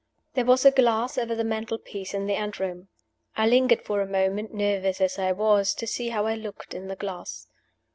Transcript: There was a glass over the mantel piece in the anteroom. I lingered for a moment (nervous as I was) to see how I looked in the glass.